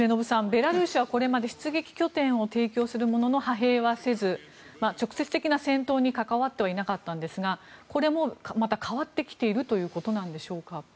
ベラルーシはこれまで出撃拠点を提供するものの派兵はせず直接的な戦闘に関わってはいなかったんですがこれもまた変わってきているということでしょうか？